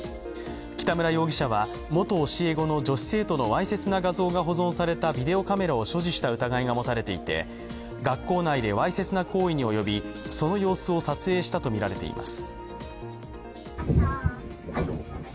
北村容疑者は元教え子の女子生徒のわいせつな画像が保存されたビデオカメラを所持した疑いが持たれていて学校内でわいせつな行為に及びその様子を撮影したとみられています。